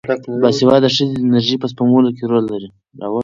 باسواده ښځې د انرژۍ په سپمولو کې رول لري.